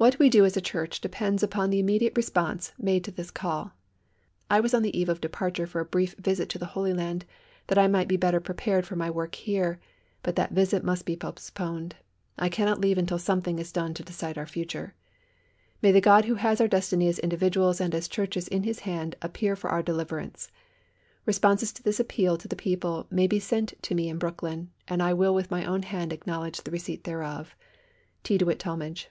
What we do as a Church depends upon the immediate response made to this call. I was on the eve of departure for a brief visit to the Holy Land that I might be better prepared for my work here, but that visit must be postponed. I cannot leave until something is done to decide our future. "May the God who has our destiny as individuals and as churches in His hand appear for our deliverance! "Responses to this appeal to the people may be sent to me in Brooklyn, and I will with my own hand acknowledge the receipt thereof. "T. DEWITT TALMAGE."